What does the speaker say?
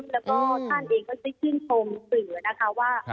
และก็ท่านเองก็สืบช่วงสื่อนะคะ